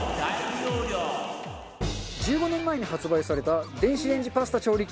１５年前に発売された電子レンジパスタ調理器。